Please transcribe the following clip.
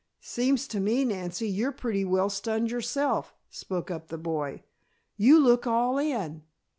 "Seems to me, Nancy, you're pretty well stunned yourself," spoke up the boy. "You look all in."